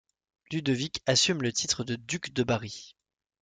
Ludovic assume le titre de duc de Bari.